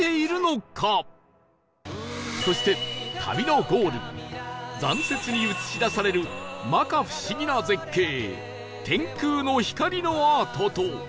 そして残雪に映し出される摩訶不思議な絶景天空の光のアートと